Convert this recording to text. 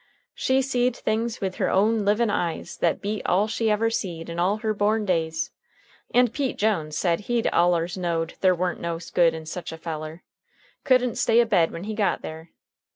She'd seed things with her own livin' eyes that beat all she ever seed in all her born days. And Pete Jones said he'd allers knowed ther warn't no good in sech a feller. Couldn't stay abed when he got there.